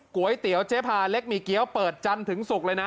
ก๋วยเตี๋ยวเจ๊พาเล็กหมี่เกี้ยวเปิดจันทร์ถึงศุกร์เลยนะ